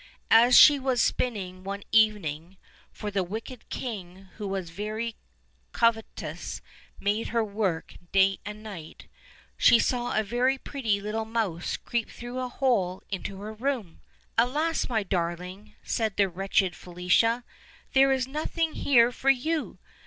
As she was spinning one evening (for the wicked king, who was very covetous, made her work day and night), she saw a very pretty little mouse creep through a hole into her room. "Alas! my darling," said the wretched Felicia, "there is nothing here for you!